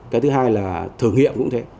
cái thứ hai là thử nghiệm cũng thế